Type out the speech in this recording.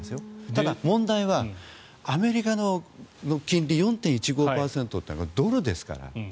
ただ、問題はアメリカの金利４．１５％ってのはドルですから。